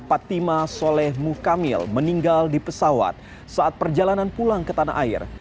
patima soleh mukamil meninggal di pesawat saat perjalanan pulang ke tanah air